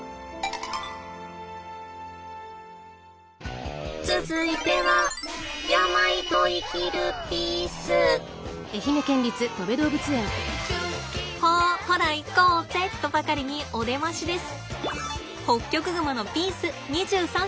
ツヅイテはほほら行こうぜとばかりにお出ましです。